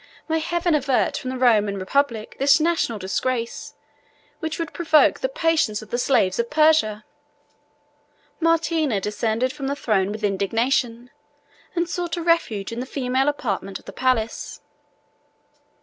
May Heaven avert from the Roman republic this national disgrace, which would provoke the patience of the slaves of Persia!" Martina descended from the throne with indignation, and sought a refuge in the female apartment of the palace.